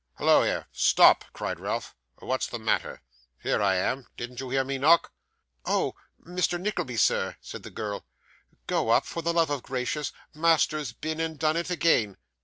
'Hallo here. Stop!' cried Ralph. 'What's the matter? Here am I. Didn't you hear me knock?' 'Oh! Mr. Nickleby, sir,' said the girl. 'Go up, for the love of Gracious. Master's been and done it again.